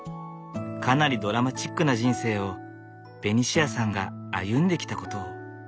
かなりドラマチックな人生をベニシアさんが歩んできたことを。